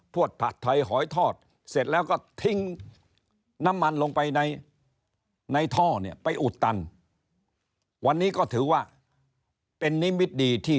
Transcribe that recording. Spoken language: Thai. พวดผัดไทยหอยทอดเสร็จแล้วก็ทิ้งน้ำมันลงไปในท่อเนี่ย